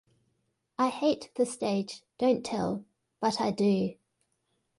I hate the stage, don't tell-but I do.